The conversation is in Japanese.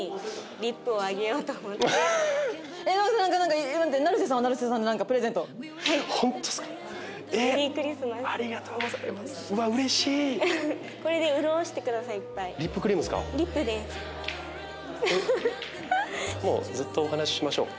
リップクリームですか？